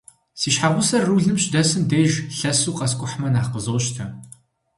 Си щхьэгъусэр рулым щыдэсым деж, лъэсу къэскӏухьмэ нэхъ къызощтэ.